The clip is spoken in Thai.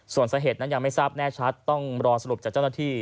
ส่วนสาเหตุนั้นยังไม่ทราบแน่ชัดต้องรอสรุปจากเจ้าหน้าที่